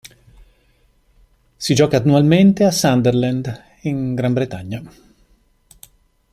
Si gioca annualmente a Sunderland in Gran Bretagna.